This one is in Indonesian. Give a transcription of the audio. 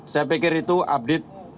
saya pikir itu update